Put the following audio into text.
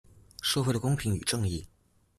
社會的公平與正義